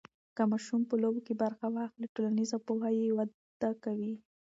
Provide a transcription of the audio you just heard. که ماشوم په لوبو کې برخه واخلي، ټولنیز پوهه یې وده کوي.